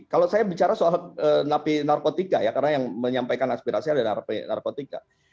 kalau saya bicara soal napi narkotika ya karena yang menyampaikan aspirasi adalah narapi narkotika